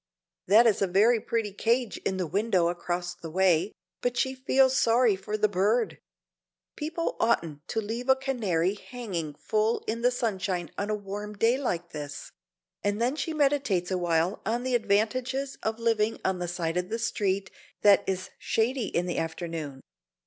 That is a very pretty cage in the window across the way, but she feels sorry for the bird. People oughtn't to leave a canary hanging full in the sunshine on a warm day like this; and then she meditates awhile on the advantages of living on the side of the street that is shady in the afternoon.